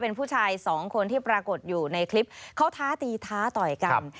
เป็นผู้ชายสองคนที่ปรากฏอยู่ในคลิปเขาท้าตีท้าต่อยกัน